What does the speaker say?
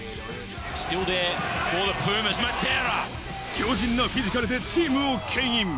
強靭なフィジカルでチームをけん引。